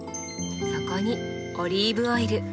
そこにオリーブオイル。